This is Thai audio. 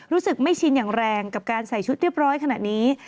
รู้สึกไม่ชินอย่างแรงกับการใส่ชุดเรียบร้อยขณะนี้